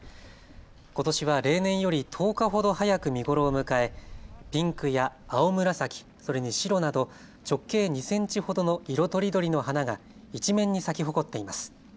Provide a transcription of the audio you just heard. ことしは例年より１０日ほど早く見頃を迎えピンクや青紫、それに白など直径２センチほどの色とりどりの花が一面に咲き誇っています。